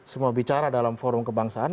semua bicara dalam forum kebangsaan